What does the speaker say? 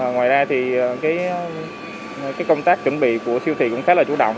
ngoài ra thì công tác chuẩn bị của siêu thị cũng khá là chủ động